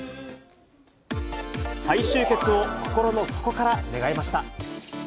再集結を心の底から願いました。